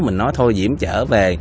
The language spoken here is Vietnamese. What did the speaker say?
mình nói thôi diễm trở về